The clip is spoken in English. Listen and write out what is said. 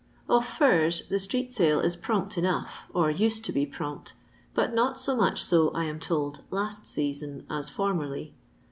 Ov furs the street sale is prompt enough, or used to be prompt ; but not so much so, I am told, last season, as formerly.